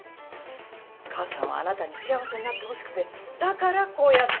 母さんはあなたに幸せになってほしくてだからこうやって。